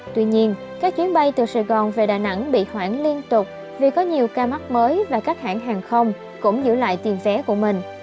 tuy nhiên các chuyến bay từ sài gòn về đà nẵng bị khoản liên tục vì có nhiều ca mắc mới và các hãng hàng không cũng giữ lại tiền vé của mình